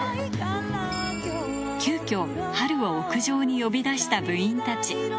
急きょ、波瑠を屋上に呼び出した部員たち。